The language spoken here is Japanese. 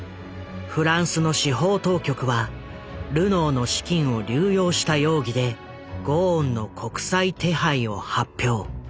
フランスの司法当局はルノーの資金を流用した容疑でゴーンの国際手配を発表。